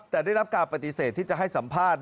แต่ได้รับการปฏิเสธที่จะให้สัมภาษณ์